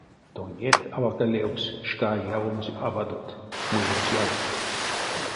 Тонеть, авака левкс, шка явомс авадот, муемс ялгат.